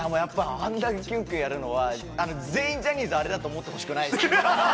あれだけキュンキュンやるのは全員ジャニーズあれだと思ってほしくないです。